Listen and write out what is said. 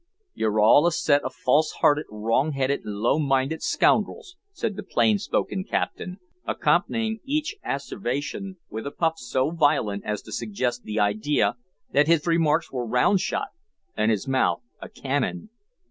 "You're all a set of false hearted, wrong headed, low minded, scoundrels," said the plain spoken captain, accompanying each asseveration with a puff so violent as to suggest the idea that his remarks were round shot and his mouth a cannon.